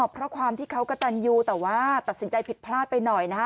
เพราะความที่เขากระตันยูแต่ว่าตัดสินใจผิดพลาดไปหน่อยนะฮะ